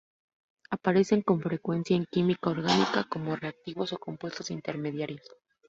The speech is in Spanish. Aparecen con frecuencia en química orgánica como reactivos, o compuestos intermediarios.